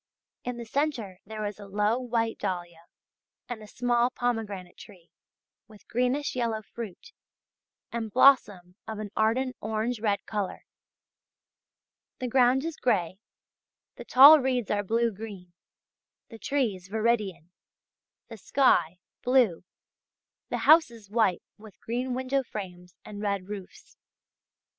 In the centre there is a low white dahlia and a small pomegranate tree with greenish yellow fruit, and blossom of an ardent orange red colour. The ground is grey, the tall reeds are blue green, the trees viridian, the sky blue, the houses white with green window frames and red roofs.